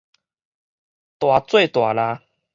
大做大抐